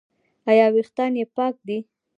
ایا ویښتان یې پاک دي؟